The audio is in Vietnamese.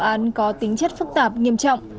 vụ án có tính chất phức tạp nghiêm trọng